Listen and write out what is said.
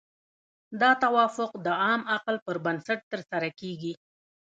دا توافق د عام عقل پر بنسټ ترسره کیږي.